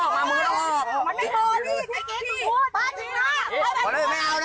ไม่เอาอีกไม่เอา